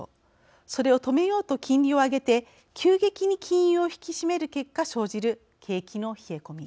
それを止めようと金利を上げて急激に金融を引き締める結果生じる景気の冷え込み。